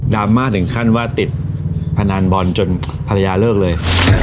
ราม่าถึงขั้นว่าติดพนันบอลจนภรรยาเลิกเลย